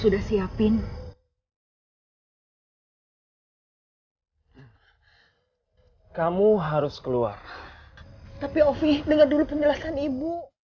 tapi alfi dengar dulu penjelasan ibu